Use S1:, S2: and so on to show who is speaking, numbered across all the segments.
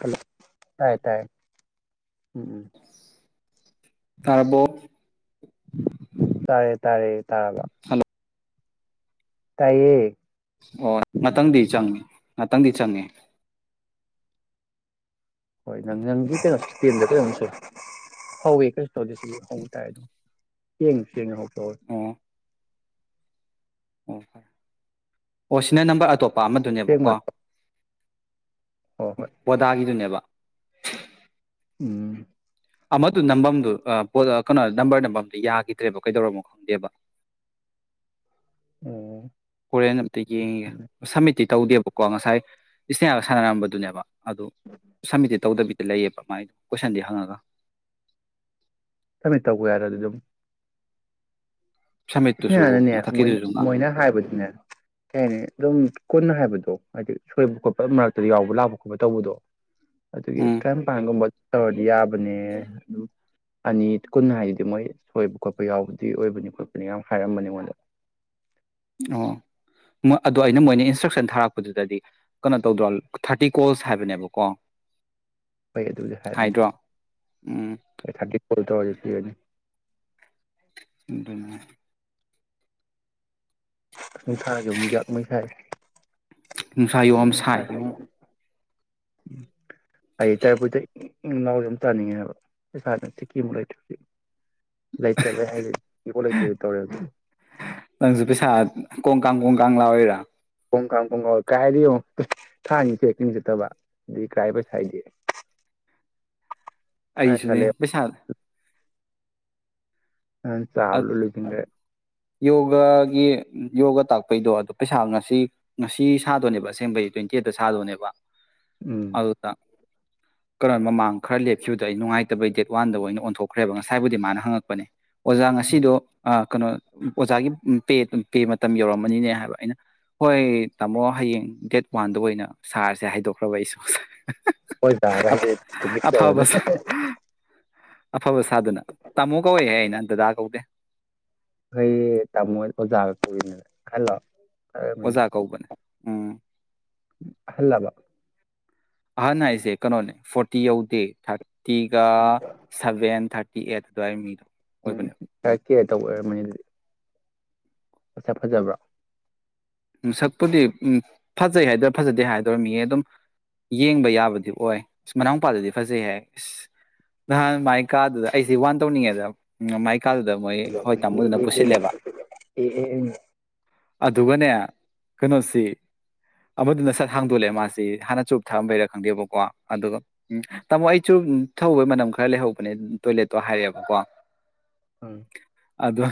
S1: hello ꯑꯥꯏ ꯇꯥꯏ ꯎꯝꯝ
S2: ꯇꯥꯕꯣ
S1: ꯇꯥꯔꯦ ꯇꯥꯔꯦ ꯇꯥꯔꯃꯦ
S2: ꯍꯜꯂꯣ
S1: ꯇꯌꯦ
S2: ꯑꯣ ꯉꯥꯛꯇꯪꯗꯤ ꯆꯪꯉꯦ ꯉꯥꯛꯇꯪꯗꯤ ꯆꯪꯉꯦ
S1: ꯍꯣꯏ ꯅꯪ ꯅꯪꯒꯤ ꯀꯩꯅꯣꯇꯦꯟꯗ ꯀꯩꯅꯣꯝꯁꯨ ꯍꯧꯋꯦ ꯀꯩꯁꯨ ꯇꯧꯗꯦ ꯁꯤꯁꯨ ꯍꯧꯕ ꯇꯥꯏ ꯑꯗꯨꯝ ꯌꯦꯡꯉ ꯆꯡꯅ ꯍꯧꯕ ꯍ
S2: ꯑꯣ ꯑꯣ ꯍꯣꯏ ꯑꯣ ꯁꯤꯅ ꯅꯝꯕꯔ ꯑꯇꯣꯞ ꯑꯄꯥ
S1: ꯁꯦꯡꯕ
S2: ꯑꯃꯗꯨꯅꯦꯕꯀꯣ
S1: ꯍꯣꯏ ꯍꯣꯏ
S2: ꯕꯣꯗꯥꯒꯤꯗꯨꯅꯦꯕ
S1: ꯎꯝ
S2: ꯑꯃꯗꯨ ꯅꯝꯕꯝꯗꯨꯣꯠ ꯀꯩꯅꯣ ꯅꯝꯕꯔ ꯅꯝꯕꯝꯗꯨ ꯌꯥꯈꯤꯗ꯭ꯔꯦꯕ ꯀꯩꯗꯧꯔꯅꯣ ꯈꯪꯗꯦꯕ
S1: ꯑꯣ
S2: ꯍꯣꯔꯦꯟꯅ ꯑꯝꯇ ꯌꯦꯡꯉꯦ ꯁꯃꯤꯇꯤ ꯇꯧꯗꯦꯕꯀꯣ ꯉꯁꯥꯏ ꯏꯁꯅꯦꯌꯥꯒ ꯁꯥꯟꯅꯔꯝꯕꯗꯨꯅꯦꯕ ꯑꯗꯨ ꯁꯝꯃꯤꯠꯇꯤ ꯇꯧꯗꯕꯤꯗ ꯂꯩꯌꯦꯕ ꯃꯥꯏꯗ ꯀꯣꯏꯁꯟꯗꯤ ꯍꯪꯉꯒ
S1: ꯁꯃꯤꯠ ꯇꯧꯒꯦ ꯍꯥꯏꯔꯗꯤ ꯑꯗꯨꯝ ꯏꯁꯅꯦ
S2: ꯁꯝꯃꯤꯠꯇꯨꯁꯨ
S1: ꯍꯥꯟꯅꯅꯦ ꯃꯣꯏ
S2: ꯃꯊꯛꯀꯤꯗꯨꯁꯨ ꯉꯥ
S1: ꯃꯣꯏꯅ ꯍꯥꯏꯕꯗꯨꯅꯦ ꯀꯩ ꯍꯥꯏꯅꯤ ꯑꯗꯨꯝ ꯀꯨꯟꯅ ꯍꯥꯏꯕꯗꯣ ꯍꯥꯏꯗꯤ ꯁꯣꯏꯕ ꯈꯣꯠꯄ ꯃꯔꯛꯇꯗꯤ ꯌꯥꯎꯕ ꯂꯥꯛꯄ ꯈꯣꯠꯄ ꯇꯧꯕꯗꯣ ꯑꯗꯨꯒꯤ
S2: ꯎꯝ
S1: ꯇ꯭ꯔꯝꯄꯒꯨꯝꯕ ꯇꯧꯔꯗꯤ ꯌꯥꯕꯅꯦ ꯑꯗꯨꯝ ꯑꯅꯤ ꯀꯨꯟ ꯍꯥꯏꯗꯨꯗꯤ ꯃꯣꯏ ꯁꯣꯏꯕ ꯈꯣꯠꯄ ꯌꯥꯎꯕꯗꯤ ꯑꯣꯏꯕꯅꯤ ꯈ ꯑꯗꯨꯅꯤ ꯌꯥꯝ ꯍꯥꯏꯔꯝꯕꯅꯤ ꯑꯩꯉꯣꯟꯗ
S2: ꯑꯣ ꯃꯣꯏ ꯑꯗꯣ ꯑꯩꯅ ꯃꯣꯏꯅ ꯏꯟꯁꯇ꯭ꯔꯛꯁꯟ ꯊꯥꯔꯛꯄꯗꯨꯗꯗꯤ ꯀꯩꯅꯣ ꯇꯧꯗ꯭ꯔꯣ ꯊꯥꯔꯇꯤ ꯀꯣꯜꯁ ꯍꯥꯏꯕꯅꯦꯕꯀꯣ
S1: ꯐꯩ ꯑꯗꯨꯗꯤ ꯍꯥꯏꯕꯅꯤ
S2: ꯍꯥꯏꯗ꯭ꯔꯣ ꯎꯝ
S1: ꯊ ꯍꯣꯜ ꯇꯋꯥꯖꯤꯒꯅꯤ
S2: ꯎꯗꯅꯦ
S1: ꯅꯤꯡ ꯊꯥ ꯌ ꯍꯖꯥꯛ ꯃꯩꯈꯥꯏ
S2: ꯅꯨꯡꯁꯥ ꯌꯣꯝ ꯁꯥꯏꯌꯣ
S1: ꯎꯝ ꯑꯩ ꯇꯔꯕꯨꯗ ꯏ ꯏꯅꯥꯎꯁ ꯌꯥꯝ ꯇꯥꯅꯤꯡꯉꯦꯕ ꯏꯁꯥꯅ ꯇꯤꯀꯤꯃꯨꯛ ꯂꯩꯇ꯭ꯔ ꯂꯩꯥꯏꯇ ꯏꯕꯨꯣ ꯂꯩꯇ ꯇꯧꯔꯦ
S2: ꯀꯥꯡ ꯀꯪꯂꯂꯥ ꯑꯣꯏꯔ
S1: ꯄꯣꯡ ꯀꯥꯡ ꯄꯣꯡꯥꯎ ꯀꯥꯏꯗꯤ ꯌꯦꯡꯉ ꯊꯥꯅꯤ ꯆꯦꯀꯤꯤꯡ ꯆꯠꯇꯕ ꯑꯗꯨꯗꯤ ꯀꯥꯏ ꯄꯩꯁꯥ ꯍꯥꯏꯗꯦ
S2: ꯑꯩꯁꯨꯅꯦ ꯄꯩꯁꯥꯗ
S1: ꯑ ꯆꯕꯂ ꯂꯩꯗꯤꯒꯦ
S2: ꯌꯣꯒꯒꯤ ꯌꯣꯒ ꯇꯥꯛꯄꯩꯗꯣ ꯑꯗꯣ ꯄꯩꯁꯥ ꯉꯁꯤ ꯉꯁꯤ ꯁꯥꯗꯣꯏꯅꯦꯕ ꯑꯁꯦꯡꯕꯩ ꯇ꯭ꯋꯦꯟꯇꯤ ꯑꯩꯗꯠꯇ ꯁꯥꯗꯣꯏꯅꯦꯕ
S1: ꯎꯝ
S2: ꯍꯧꯥꯎꯗ ꯀꯔꯣꯟ ꯃꯃꯥꯡ ꯈꯔ ꯂꯦꯞꯈꯤꯕꯗꯣ ꯑꯩ ꯅꯨꯡꯉꯥꯏꯇꯕꯩ ꯗꯦꯠ ꯋꯥꯟꯗ ꯑꯣꯏꯅ ꯑꯣꯟꯊꯣꯛꯈ꯭ꯔꯦꯕ ꯉꯁꯥꯏꯕꯨꯗꯤ ꯃꯥꯅ ꯍꯪꯉꯛꯄꯅꯦ ꯑꯣꯖꯥ ꯉꯁꯤꯗꯣ ꯀꯩꯅꯣ ꯑꯣꯖꯥꯒꯤ ꯄ ꯄꯦ ꯃꯇꯝ ꯌꯧꯔꯝꯃꯅꯤꯅꯦ ꯍꯥꯏꯕ ꯑꯩꯅ ꯍꯣꯏ ꯇꯥꯃꯣ ꯍꯌꯦꯡ ꯗꯦꯠ ꯋꯥꯟꯗ ꯑꯣꯏꯅ ꯁꯥꯔꯁꯦ ꯍꯥꯏꯗꯣꯛꯈ꯭ꯔꯕ ꯑꯩꯁꯨ
S1: ꯍꯣꯏ ꯇꯔꯦ
S2: ꯑꯐꯕ
S1: ꯀꯅꯦ
S2: ꯑꯐꯕ ꯁꯥꯗꯅ ꯇꯥꯃꯣ ꯀꯧꯏꯦ ꯍꯥꯏ ꯑꯩꯅ ꯑꯗꯨꯗ ꯀꯧꯗꯦ
S1: ꯍꯩ ꯇꯃꯣꯣꯏ ꯑꯣꯖꯥꯒ ꯈꯥꯏꯂ
S2: ꯑꯣꯖꯥ ꯀꯧꯕꯅꯦ ꯎꯝ
S1: ꯑꯜꯂꯃ
S2: ꯑꯍꯟ ꯍꯥꯏꯁꯦ ꯀꯩꯅꯣꯅꯦ ꯐꯣꯔꯇꯤ ꯌꯧꯗꯦ ꯊꯥꯔ ꯊꯒ ꯁꯚꯦꯟ ꯊꯥꯔꯇꯤ ꯀꯤꯑꯦ ꯑꯗꯨꯋꯥꯏ ꯃꯤꯗꯣ ꯑꯣꯏꯕꯅꯤ
S1: ꯀꯦꯔ ꯇꯧꯕ ꯑꯣꯏꯔꯝꯃꯅꯤ ꯑꯗꯨꯗꯤ ꯑꯁ ꯐꯖꯕ꯭ꯔꯥ
S2: ꯁꯛꯄꯨꯗꯤ ꯎ ꯐꯖꯩ ꯍꯥꯏꯗꯔꯥ ꯐꯖꯗꯦ ꯍꯥꯏꯗꯣꯏꯔ ꯃꯤꯌꯦ ꯑꯗꯨꯝ ꯌꯦꯡꯕ ꯌꯥꯕꯗꯤ ꯑꯣꯏ ꯃꯅꯥꯎ ꯃꯄꯥꯗꯗꯤ ꯐꯖꯩ ꯍꯥꯏ ꯑꯁ ꯅꯍꯥꯟ ꯃꯥꯏ ꯀꯥꯗꯨꯗ ꯑꯩꯁꯤ ꯋꯥꯟ ꯇꯧꯅꯤꯡꯉꯦꯗ ꯀꯥꯗꯨꯗ ꯃꯣꯏ ꯍꯣꯏ ꯇꯥꯃꯣꯗꯨꯅ ꯄꯨꯁꯤꯜꯂꯦꯕ
S1: ꯑꯦ ꯑꯦ
S2: ꯑꯗꯨꯒꯅꯦ ꯀꯩꯅꯣꯁꯤ ꯑꯃꯗꯨꯅ ꯁꯠ ꯍꯥꯡꯗꯣꯛꯂꯛꯑꯦ ꯃꯥꯁꯤ ꯍꯥꯟꯅ ꯆꯨꯞ ꯊꯛꯑꯝꯕꯩꯔꯥ ꯈꯪꯗꯦꯕꯀꯣ ꯑꯗꯨꯒ ꯎ ꯇꯥꯃꯣ ꯑꯩ ꯆꯨꯞ ꯊꯍꯧꯕꯩ ꯃꯅꯝ ꯈꯔ ꯂꯩꯍꯧꯕꯅꯦ ꯇꯣꯏꯂꯦꯠꯇꯣ ꯍꯥꯏꯔꯛꯑꯦꯕꯀꯣ
S1: ꯎꯝ
S2: ꯑꯗ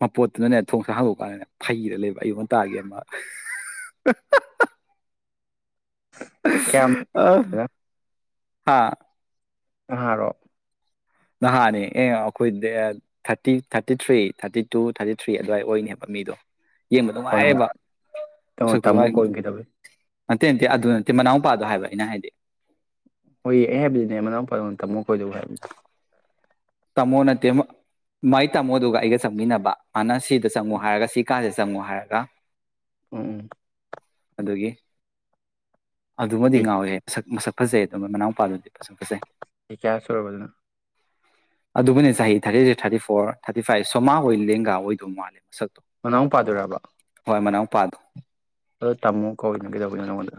S2: ꯃꯄꯣꯠꯇꯨꯅꯅꯦ ꯊꯣꯡꯁꯥ ꯍꯥꯡꯗꯣꯛꯄꯀꯥꯟꯗꯅꯦ ꯐꯩꯔ ꯂꯩꯕ ꯑꯩꯉꯣꯟ ꯇꯥꯒꯦ ꯃꯥꯜ
S1: ꯀꯌꯥꯝ
S2: ꯑ ꯍꯥꯥ
S1: ꯑꯍꯔꯣ
S2: ꯅꯍꯥꯅꯦ ꯑꯦ ꯑꯩꯈꯣꯏꯗ thirty thirty three thirty two thirty three ꯑꯗꯨꯋꯥꯏ ꯑꯣꯏꯅꯦꯕ ꯃꯤꯗꯣ ꯌꯦꯡꯕ
S1: ꯀꯩꯅꯣ
S2: ꯅꯨꯡꯉꯥꯏꯔꯦꯕ
S1: ꯀꯩꯅꯣ
S2: ꯃꯁꯛꯇꯤ
S1: ꯇꯥꯃꯣ
S2: ꯋꯥꯔꯤꯅꯤ
S1: ꯀꯣꯏꯅ ꯀꯩꯗꯧꯋꯤ
S2: ꯅꯠꯇꯦ ꯅꯠꯇꯦ ꯑꯗꯨ ꯅꯠꯇꯦ ꯃꯅꯥꯎꯨꯄꯥꯗꯣ ꯍꯥꯏꯕ ꯑꯩꯅ ꯍꯥꯏꯗꯤ
S1: ꯍꯣꯏ ꯑꯩ ꯍꯥꯏꯕꯗꯤꯅꯦ ꯃꯅꯥꯎꯄꯥ ꯇꯝꯃꯨ ꯀꯣꯏꯗꯧꯕ ꯍꯥꯏꯕꯅꯤ
S2: ꯇꯥꯃꯣ ꯅꯠꯇꯦ ꯃꯥꯏ ꯇꯥꯃꯣꯗꯨꯒ ꯑꯩꯒ ꯆꯪꯃꯤꯟꯅꯅꯕ ꯑꯅ ꯁꯤ ꯆꯪꯉꯨ ꯍꯥꯏꯔꯒ ꯁꯤ ꯀꯥꯁꯦ ꯆꯪꯉꯣ ꯍꯥꯏꯔꯒ
S1: ꯎꯝꯎꯝ
S2: ꯑꯗꯨꯒꯤ
S1: ꯎꯝ
S2: ꯑꯗꯨꯃꯗꯤ
S1: ꯆꯍꯤ
S2: ꯉꯥꯎꯋꯦꯍꯦ ꯁꯛ ꯃꯁꯛ ꯐꯖꯩ ꯑꯗꯨꯃ ꯃꯅꯥꯎꯄꯥꯗꯨꯗꯤ ꯃꯁꯛ ꯐꯖꯩ
S1: ꯆꯍꯤ ꯀ꯭ꯌꯥ ꯁꯨꯔꯕ ꯑꯗꯨꯅ
S2: ꯑꯗꯨꯕꯨꯅꯤ ꯆꯍꯤ ꯊꯥꯔꯇꯤꯔꯤ ꯊꯥꯔꯇꯤ ꯐꯣꯔ ꯊꯥꯔꯇꯤ ꯐꯥꯏꯚ ꯁꯣꯃꯥ ꯍꯣꯏ ꯂꯦꯡꯒꯥ ꯑꯣꯏꯗꯧ ꯃꯥꯜꯂꯦ
S1: ꯃꯅꯥꯎ ꯄꯥ ꯗꯨꯔꯥꯕ
S2: ꯄꯥꯗꯨ
S1: ꯑꯗꯣ ꯇꯝꯃꯣ ꯀꯧꯏꯅ ꯀꯩꯗꯧꯕꯩꯅꯣ ꯅꯉꯣꯟꯗ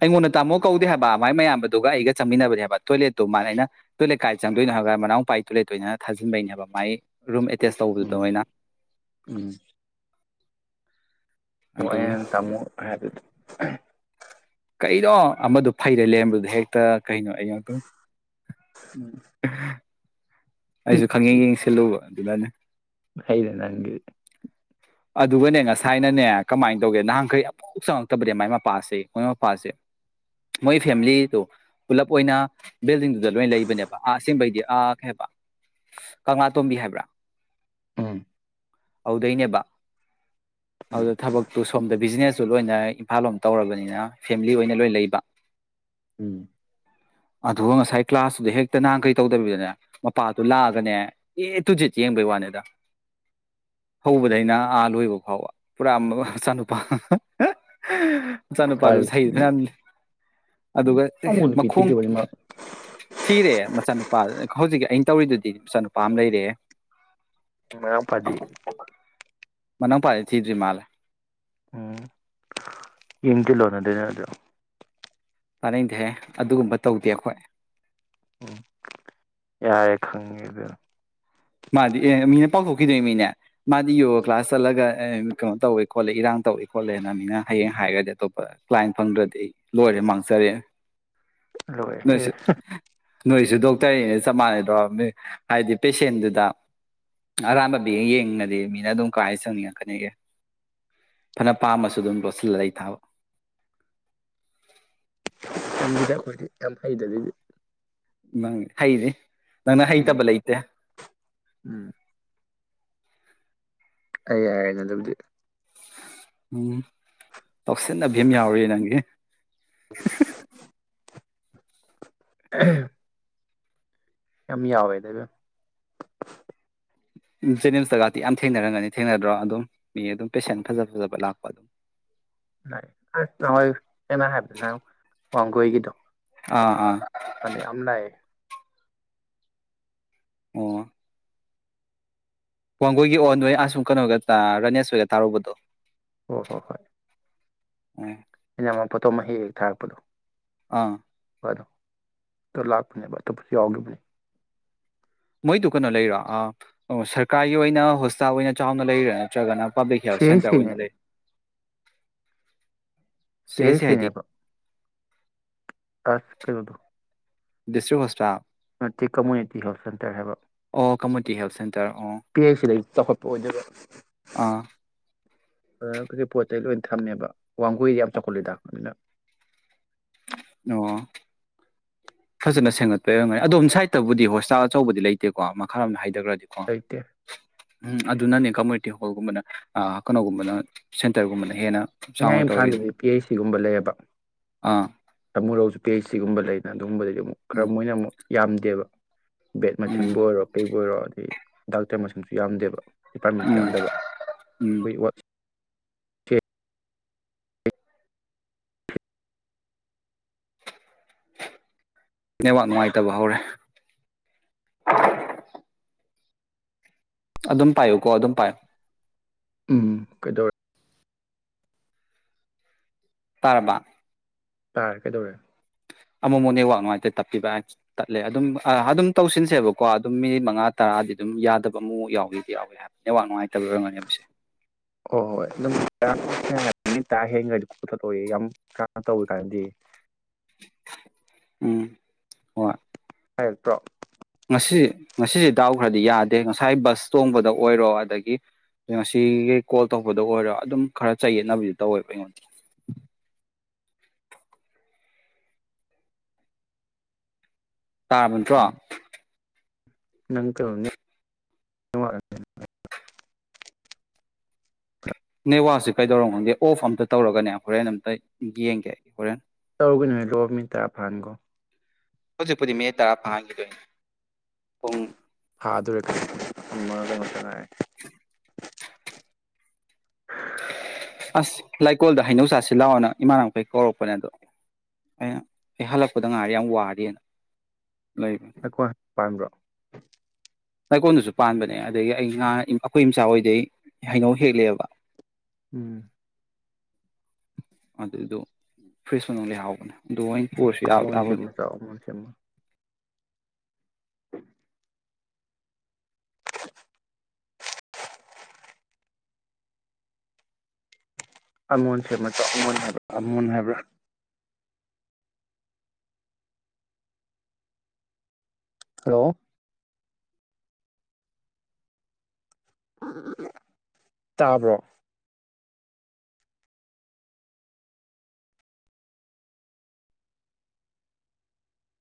S2: ꯑꯩꯉꯣꯟꯗ ꯇꯥꯃꯣ ꯀꯧꯗꯦ ꯍꯥꯏꯕ ꯃꯥꯏ ꯃꯌꯥꯝꯗꯨꯒ ꯑꯩꯒ ꯆꯪꯃꯤꯟꯅꯕꯅꯦ ꯍꯥꯏꯕ ꯇꯣꯏꯂꯦꯠꯇꯨ ꯃꯥ ꯑꯩꯅ ꯇꯣꯏꯂꯦꯠ ꯀꯥꯏꯗ ꯆꯪꯗꯣꯏꯅꯣ ꯍꯥꯏꯕ ꯃꯎꯄꯥ ꯇꯣꯏꯂꯦꯠꯇ ꯑꯣꯏꯅ ꯊꯥꯖꯤꯟꯕꯩꯅꯦꯕ ꯃꯥꯥꯏ ꯔꯨꯝ ꯑꯦ ꯇꯦꯁ ꯇꯧꯕꯗꯨꯗ
S1: ꯎꯝ
S2: ꯑꯣꯏꯅ
S1: ꯎꯝ ꯑꯣ
S2: ꯑꯗꯨꯒꯤ
S1: ꯑꯩꯅ ꯅꯪ ꯇꯥꯃꯣ ꯍꯥꯏꯕꯗꯨ ꯎꯝ
S2: ꯀꯩꯅꯣ ꯑꯃꯗꯣ ꯐꯩꯔ ꯂꯩꯔꯝꯕꯗꯨꯗ ꯍꯦꯛꯇ ꯀꯩꯅꯣ ꯑꯩ ꯉꯥꯛꯇꯪ
S1: ꯎꯝ
S2: ꯑꯩꯁꯨ ꯈꯪꯌꯦꯡ ꯌꯦꯡꯁꯤꯟ ꯂꯨꯕ ꯑꯗꯨꯅꯅꯤ
S1: ꯐꯩꯗ ꯅꯪꯒꯔꯗꯤ
S2: ꯑꯗꯨꯒꯅꯦ ꯉꯁꯥꯏꯅꯅꯦ ꯀꯃꯥꯏꯟ ꯇꯧꯒꯦ ꯅꯍꯥꯟ ꯈꯩ ꯑꯝꯕꯥꯎ ꯆꯪꯉꯛꯇꯕꯅꯦ ꯃꯥꯏ ꯃꯄꯥꯁꯦ ꯃꯣꯏ ꯃꯄꯥꯁꯦ ꯃꯣꯏ ꯐꯦꯃꯤꯂꯤꯗꯣ ꯄꯨꯂꯞ ꯑꯣꯏꯅ ꯕꯤꯜꯗꯤꯡꯗꯨꯗ ꯂꯣꯏ ꯂꯩꯕꯅꯦꯕ ꯑꯥ ꯑꯁꯦꯡꯕꯩꯗꯤ ꯑ ꯀꯩ ꯍꯥꯏꯕ ꯀꯪꯂꯥꯇꯣꯝꯕꯤ ꯍꯥꯏꯕ꯭ꯔꯥ
S1: ꯎꯝ
S2: ꯑꯗꯨꯗꯩꯅꯦꯕ
S1: ꯎꯝ
S2: ꯑꯗꯨꯗ ꯊꯕꯛꯇꯨ ꯁꯣꯝꯗ ꯕꯤꯖꯤꯅꯦꯁ ꯇꯨ ꯂꯣꯏꯅ ꯏꯝꯐꯥꯜ ꯂꯣꯝ ꯇꯧꯔꯕꯅꯤꯅ ꯐꯦꯃꯤꯂꯤ ꯑꯣꯏꯅ ꯂꯣꯏ ꯂꯩꯕ
S1: ꯎꯝ
S2: ꯑꯗꯨꯒ ꯉꯁꯥꯏ ꯀ꯭ꯂꯥꯁꯇꯨꯗ ꯍꯦꯛꯇ ꯅꯍꯥꯟ ꯀꯩ ꯇꯧꯗꯕꯤꯗꯅꯦ ꯃꯄꯥꯗꯨ ꯂꯥꯛꯑꯒꯅꯦ ꯑꯦ ꯇꯨ ꯖꯦꯠ ꯌꯦꯡꯕꯩ ꯋꯥꯅꯤꯗ ꯍꯧꯕꯗꯩꯅ ꯑꯥ ꯂꯣꯏꯕ ꯐꯥꯎꯕ ꯄꯨꯔꯥ ꯃꯆꯥꯅꯨꯄꯥ ꯃꯆꯥꯅꯨꯄꯥꯗꯨ
S1: ꯐꯔꯦ
S2: ꯁꯩꯗ ꯊꯅꯝꯃꯤꯅꯤ ꯑꯗꯨꯒ ꯑꯦ
S1: ꯑꯃꯨꯛ ꯅꯨꯄꯤ
S2: ꯃꯈꯣꯡ
S1: ꯊꯤꯗ꯭ꯔꯤꯕꯅꯤ ꯃꯥ
S2: ꯊꯤꯔꯦ ꯃꯆꯥꯅꯨꯄꯥꯗꯨꯅ ꯍꯧꯖꯤꯛꯀꯤ ꯑꯩꯅ ꯇꯧꯔꯤꯗꯨꯗꯤ ꯃꯆꯥꯅꯨꯄꯥ ꯑꯃ ꯂꯩꯔꯦꯍꯦ
S1: ꯃꯅꯥꯎ ꯄꯥꯗꯤ
S2: ꯃꯅꯥꯎꯄꯥꯗꯤ ꯊꯤꯗ꯭ꯔꯤ ꯃꯥꯜꯂꯤ
S1: ꯎꯝ ꯏꯟꯗꯤ [unintelligible]
S2: ꯇꯥꯅꯤꯡꯗꯦꯍꯦ ꯑꯗꯨꯒꯨꯝꯕ ꯇꯧꯗꯦ ꯑꯩꯈꯣꯏ
S1: ꯎꯝ ꯌꯥꯔꯦ ꯈꯪꯉꯦꯗ
S2: ꯃꯥꯗꯤ ꯑꯦ ꯃꯤꯅ ꯄꯥꯎꯊꯣꯛꯈꯤꯗꯣꯏ ꯃꯤꯅꯦ ꯃꯥꯗꯤ ꯌꯣꯒꯥ ꯀ꯭ꯂꯥꯁ ꯆꯠꯂꯒ ꯑꯦ ꯀꯩꯅꯣ ꯇꯧꯋꯦ ꯈꯣꯠꯂꯦ ꯏꯔꯥꯡ ꯇꯧꯋꯦ ꯈꯣꯠꯂꯦꯅ ꯃꯤꯅ ꯍꯌꯦꯡ ꯍꯥꯏꯒ꯭ꯔꯗꯤ ꯑꯇꯣꯞꯄ ꯀ꯭ꯂꯥꯏꯟ ꯐꯪꯗ꯭ꯔꯗꯤ ꯑꯩ ꯂꯣꯏꯔꯦ ꯃꯥꯡꯖꯔꯦꯅꯦ
S1: ꯂꯣꯏꯔꯦ
S2: ꯅꯣꯏꯁꯨ ꯅꯣꯏꯁꯨ ꯗꯣꯛꯇꯔꯅꯦꯅ ꯆꯞ ꯃꯥꯟꯅꯩ ꯍꯥꯏꯗꯤ ꯄꯦꯁꯦꯟ ꯗ ꯑꯔꯥꯟꯕ ꯃꯤꯒ ꯌꯦꯡꯉꯗꯤ ꯃꯤꯅ ꯑꯗꯨꯝ ꯀꯥꯏ ꯆꯪꯉꯛꯀꯅꯤꯒꯦ ꯐꯅ ꯄꯥꯝꯃꯁꯨ ꯑꯗꯨꯝ ꯂꯣꯠꯁꯤꯜꯂꯏ ꯊꯥꯕ
S1: ꯌꯥꯝ ꯐꯩꯗ ꯑꯗꯨꯒꯤꯗꯤ
S2: ꯅꯪ ꯍꯩꯅꯤ ꯅꯪꯅ
S1: ꯎꯝ
S2: ꯍꯩꯇꯕ ꯂꯩꯇꯦ
S1: ꯎꯝ ꯑꯩ ꯌꯥꯏꯔꯅ ꯑꯗꯨꯕꯨꯗꯤ
S2: ꯎꯝ ꯇꯥꯎꯁꯤꯟꯅꯕꯤ ꯑꯃ ꯌꯥꯎꯔꯤꯌꯦ ꯅꯪꯒꯤ
S1: ꯑꯝ ꯌꯥꯝ ꯌꯥꯎꯋꯦꯗ
S2: ꯖꯦꯅꯤꯝꯁꯇꯒꯇꯤ ꯌꯥꯝ ꯊꯦꯡꯅꯔꯝꯒꯅꯤ ꯊꯦꯡꯅꯗ꯭ꯔꯣ ꯑꯗꯨꯝ ꯃꯤ ꯑꯗꯨꯝ ꯄꯦꯁꯦꯟ ꯐꯖ ꯐꯖꯕ ꯂꯥꯛꯄ ꯑꯗꯨꯝ
S1: [unintelligible] ꯑꯩꯅ ꯍꯥꯏꯕꯗꯣ ꯋꯥꯡꯒꯣꯏꯒꯤꯗꯣ
S2: ꯑꯥ ꯑꯥ
S1: ꯑꯅꯤ ꯌꯥꯝ ꯂꯛꯑꯦ
S2: ꯑꯣ ꯋꯥꯡꯒꯣꯏꯒꯤ ꯑꯣꯟꯗꯣꯏ ꯑꯁꯨꯝ ꯀꯩꯅꯣꯒ ꯔꯥꯅꯦꯁ ꯍꯣꯏꯒ ꯇꯥꯔꯨꯕꯗꯣ
S1: ꯍꯣ ꯍꯣ ꯍꯣꯏ
S2: ꯎ
S1: ꯄꯣꯠꯇꯣ ꯃꯍꯤ ꯍꯦꯛ ꯊꯥꯔꯛꯄꯗꯣ
S2: ꯑꯥ
S1: ꯇ ꯂꯥꯛꯄꯅꯦꯕ ꯐ ꯌꯥꯒꯦꯅꯤ
S2: ꯃꯣꯏꯗꯨ ꯀꯩꯅꯣ ꯂꯩꯔꯣ ꯁꯔꯀꯥꯔꯒꯤ ꯑꯣꯏꯅ ꯍꯣꯁꯄꯤꯇꯥꯜ ꯑꯣꯏꯅ ꯆꯥꯎꯅ ꯂꯩꯔꯥ ꯅꯠꯇ꯭ꯔꯒꯅ ꯄꯥꯕ꯭ꯂꯤꯛ
S1: ꯁꯤ
S2: ꯍꯦꯜꯊ
S1: ꯍꯩꯆ
S2: ꯁꯦꯟꯇꯔ ꯑꯣꯏꯅ
S1: ꯁꯤꯅꯦ
S2: ꯂꯩ ꯁꯤꯁꯦ ꯍꯥꯏꯗꯤ
S1: ꯁꯦꯜꯁꯤꯩꯅꯄ ꯑꯁ ꯀꯩꯅꯣ ꯇꯣ
S2: ꯗꯤꯁ ꯍꯁ꯭ꯔ
S1: ꯅꯠꯇꯦ ꯀꯝꯃꯨꯅꯤꯇꯤ ꯍꯦꯜꯠ ꯁꯦꯟꯇꯔ ꯍꯥꯏꯕ
S2: ꯑꯣ ꯀꯝꯃꯨꯅꯤꯇꯤ ꯍꯦꯜꯠ ꯁꯦꯟꯇꯔ ꯑꯣ
S1: ꯄꯤ ꯑꯩꯆ ꯁꯤꯗ ꯆꯥꯎꯈꯠꯄ ꯑꯣꯏꯖꯕ
S2: ꯑꯥ
S1: ꯑꯗꯨ ꯀ ꯄꯣꯠ ꯆꯩꯩ ꯂꯣꯏ ꯊꯝꯃꯦꯕ ꯋꯥꯡꯒꯣꯏꯗꯤ ꯌꯥꯝ ꯆꯥꯎꯈꯠꯂꯦꯗꯅꯤꯅ
S2: ꯑꯣ ꯐꯖꯅ ꯁꯦꯝꯒꯠꯄ ꯌꯥ ꯑꯣꯏꯝꯒꯅꯤ ꯑꯗꯣꯝ ꯁꯥꯏꯠꯇꯕꯨꯗꯤ ꯍꯣꯁꯇꯥꯜ ꯑꯆꯧꯕꯗꯤ ꯂꯩꯇꯦꯀꯣ ꯃꯈꯥ ꯑꯃ ꯍꯥꯏ ꯖ꯭ꯔꯣꯗꯤꯀꯣ
S1: ꯂꯩꯇꯦ
S2: ꯎꯝ ꯑꯗꯨꯅꯅꯦ ꯀꯝꯃꯨꯅꯤꯇꯤ ꯍꯣꯜꯒꯨꯝꯕꯅ ꯀꯩꯅꯣꯒꯨꯝꯕꯅ ꯁꯦꯟꯇꯔꯒꯨꯝꯕꯅ ꯍꯦꯟꯅ
S1: ꯃꯌꯥꯏ
S2: ꯆꯥꯎꯅ ꯇꯧꯔꯤꯗꯣ
S1: ꯏꯝꯐꯥꯜꯗꯗꯤ ꯄꯤ ꯑꯩꯆ ꯁꯤꯒꯨꯝꯕ ꯂꯩꯌꯦꯕ
S2: ꯑꯥ
S1: ꯊꯃꯨꯔꯧꯁꯨ ꯄꯤ ꯑꯩꯆ ꯁꯤ ꯁꯤꯒꯨꯝꯕ ꯂꯩꯅꯥ ꯑꯗꯨꯒꯨꯝꯕꯗꯗꯤ ꯑꯃꯨꯛ ꯈꯔ
S2: ꯎꯝ
S1: ꯃꯣꯏꯅ ꯑꯃꯨꯛ ꯌꯥꯝꯗꯦꯕ ꯕꯦꯠ
S2: ꯎꯝ
S1: ꯃꯆꯤꯟꯕꯨ ꯑꯣꯏꯔꯣ ꯀꯩꯕꯨ ꯑꯣꯏꯔꯣ ꯑꯗꯩ ꯗꯥꯛꯇꯔ ꯃꯁꯤꯡꯁꯨ ꯌꯥꯝꯗꯦꯕ ꯗꯤꯄꯥꯔꯠꯃꯦꯟꯁꯨ
S2: ꯎꯝ
S1: ꯌꯥꯝꯗꯕ
S2: ꯎꯝ
S1: ꯑꯩꯈꯣꯏ
S2: ꯃꯥꯛ ꯅꯨꯡꯉꯥꯏ ꯇꯥꯕ ꯍꯧꯔꯦ ꯑꯗꯨꯝ ꯄꯥꯏꯌꯨꯀꯣ ꯑꯗꯨꯝ ꯄꯥꯏ
S1: ꯎꯝ ꯀꯩꯗꯧꯔꯦ
S2: ꯇꯔꯕꯥ
S1: ꯇꯥꯔꯦ ꯀꯩꯗꯧꯔꯦ
S2: ꯑꯃꯃꯛ ꯅꯦꯋꯥꯛ ꯅꯨꯡꯉꯥꯏꯇꯦ ꯇꯠꯄꯤꯕ ꯇꯠꯂꯦ ꯑꯗꯨꯝ ꯑꯗꯨꯝ ꯇꯧꯁꯤꯟꯁꯦꯕꯀꯣ ꯑꯗꯨꯝ ꯃꯤꯅꯤꯠ ꯃꯉꯥ ꯇꯔꯥꯗꯤ ꯑꯗꯨꯝ ꯌꯥꯗꯕ ꯑꯃ ꯌꯥꯎꯏꯗꯤ ꯌꯥꯎꯏꯤ ꯍꯥꯏꯕ ꯅꯋꯥꯛ ꯅꯨꯡꯉꯥꯏꯇꯦ
S1: ꯍ ꯍꯣꯏ ꯑꯗꯨꯝ ꯅꯨ ꯇ ꯍꯦꯟꯈ꯭ꯔꯗꯤ ꯀꯣꯊꯣꯛꯏ ꯌꯥꯝ ꯀ ꯇꯧꯋꯤ ꯀꯥꯏꯅꯗꯤ
S2: ꯎꯝ ꯍ
S1: ꯍꯥꯏꯌꯦ ꯄ꯭ꯔꯣ
S2: ꯉꯁꯤꯁ ꯉꯁꯤꯁꯦ ꯗꯥꯎ ꯈꯔꯗꯤ ꯌꯥꯗꯦ ꯉꯁꯥꯏ ꯕꯁ ꯇꯣꯡꯕꯗ ꯑꯣꯏꯔꯣ ꯑꯗꯒꯤ ꯉꯁꯤꯈꯩ ꯀꯣꯜ ꯇꯧꯕꯗ ꯑꯣꯏꯔꯣ ꯑꯗꯨꯝ ꯈꯔ ꯆꯌꯦꯠꯅꯕꯗꯤ ꯇꯧꯋꯦꯕ ꯑꯩꯉꯣꯟꯗ ꯇꯥꯔꯕ ꯅꯠꯇ꯭ꯔꯣ
S1: ꯅꯪꯣ
S2: ꯑꯦ ꯋꯥꯁꯦ ꯀꯩꯗꯧꯔꯣ ꯈꯪꯗꯦ ꯑꯣꯐ ꯑꯝꯇ ꯇꯧꯔꯒꯅꯦ ꯍꯣꯔꯦꯟ ꯑꯃꯝꯇ ꯌꯦꯡꯒꯦ ꯍꯣꯔꯦꯟ
S1: ꯇꯧꯒꯅꯨ ꯍꯥꯏ ꯂꯣꯛ ꯃꯤ ꯇꯔꯥ ꯐꯥꯟꯈꯣ
S2: ꯍꯧꯖꯤꯛꯄꯗꯤ ꯃꯦ ꯇꯔꯥ ꯐꯥꯡꯈꯤꯗꯣꯏꯅꯦ ꯄꯨꯡ
S1: ꯍꯥ ꯑꯗꯨꯔꯦ
S2: [inaudible] ꯑꯁ ꯂꯩꯀꯣꯜꯗ ꯍꯩꯅꯧꯆꯥꯥꯁꯤ ꯂꯥꯛꯑꯣꯅ ꯏꯃꯥꯟꯅꯕꯅꯕꯩ ꯀꯧꯔꯛꯄꯅꯦ ꯑꯗꯣ ꯑꯩꯅ ꯑꯩ ꯍꯜꯂꯛꯄꯗ ꯉꯥꯏꯔꯤ ꯌꯥꯝ ꯋꯥꯔꯤꯅ
S1: ꯑꯩꯈꯣꯏ ꯄꯥꯏꯝꯕ꯭ꯔꯣ
S2: ꯂꯩꯀꯣꯟꯜꯗꯨꯁꯨ ꯄꯥꯟꯕꯅꯦ ꯑꯗꯒꯤ ꯑꯩ ꯉꯥ ꯑꯩꯈꯣꯏ ꯏꯆꯥ ꯍꯣꯏꯗꯩ ꯍꯩꯅꯧ ꯍꯦꯛꯂꯦꯕ
S1: ꯎꯝ
S2: ꯑꯗꯨꯏꯗꯣ ꯐ꯭ꯔꯦꯁ ꯃꯅꯨꯡꯗ ꯂꯩ ꯍꯥꯎꯕꯅꯦ ꯑꯗꯨ ꯄꯨꯔꯁꯨ ꯌꯥꯕꯨꯗꯤ
S1: ꯑꯃꯣꯟꯁꯦꯃ ꯆꯧꯃꯣꯜ ꯁꯦꯃ ꯑꯃꯣꯟ ꯍꯥꯏꯕ ꯑꯃꯣꯟ ꯍꯥꯏꯕ꯭ꯔꯥ ꯑꯃꯣꯟ ꯍꯥꯏꯕ꯭ꯔꯥ ꯍꯜꯂꯣ ꯇꯥꯕ꯭ꯔꯣ